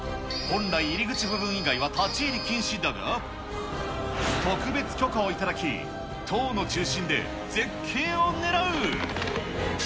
本来、入り口部分以外は立ち入り禁止だが、特別許可をいただき、塔の中心で絶景をねらう。